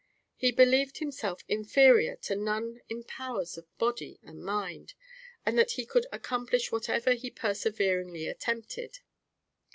He believed himself inferior to none in powers of body and mind, and that he could accomplish whatever he perseveringly attempted.